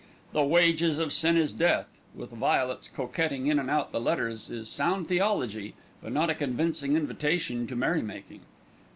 "The Wages of Sin is Death," with violets coquetting in and out the letters, is sound theology; but not a convincing invitation to merry making.